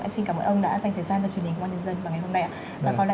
xin cảm ơn ông đã dành thời gian cho truyền hình của quán nhân dân ngày hôm nay